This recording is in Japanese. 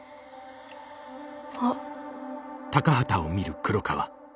あっ。